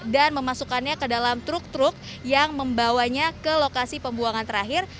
dan memasukkannya ke dalam truk truk yang membawanya ke lokasi pembuangan terakhir